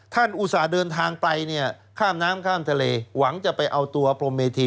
อุตส่าห์เดินทางไปเนี่ยข้ามน้ำข้ามทะเลหวังจะไปเอาตัวพรมเมธี